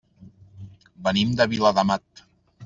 Venim de Viladamat.